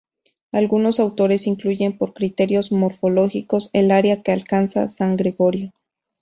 Algunos autores incluyen, por criterios morfológicos el área que alcanza San Gregorio.